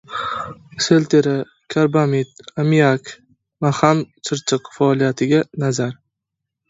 Selitra, karbamid, ammiak — «Maxam-Chirchiq» faoliyatiga nazar